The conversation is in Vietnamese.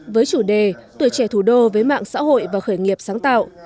với chủ đề tuổi trẻ thủ đô với mạng xã hội và khởi nghiệp sáng tạo